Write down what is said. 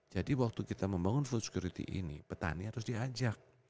jadi waktu kita membangun food security ini petani harus diajak